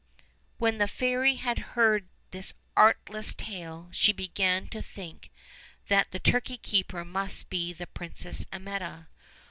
When the fairy had heard this artless tale she began to think that the turkey keeper must be the Princess Amietta.